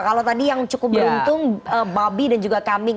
kalau tadi yang cukup beruntung babi dan juga kambing